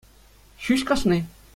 Ҫӳҫ касни.